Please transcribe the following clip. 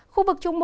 khu vực trung bộ